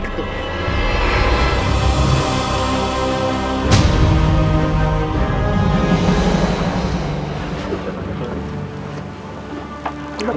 terima kasih kanjab judul